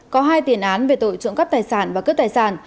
có hai tiền án về tội trộm cắp tài sản và cướp tài sản